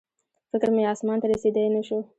فکر مې اسمان ته رسېدی نه شو